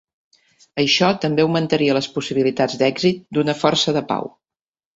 Això també augmentaria les possibilitats d'èxit d'una força de pau.